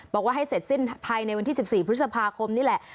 บอกว่าให้เสร็จสิ้นภายในวันที่๑๔พฤษภาคมนี่แหละ